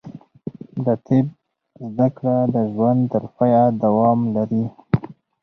د طب زده کړه د ژوند تر پایه دوام لري.